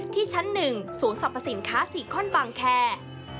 ที่ชั้น๑ศูนย์สรรพสินค้าซีคอนบางแคร์